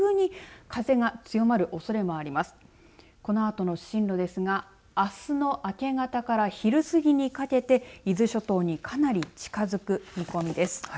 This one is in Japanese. このあとの進路ですがあすの明け方から昼過ぎにかけて伊豆諸島にかなり近づく見込みです。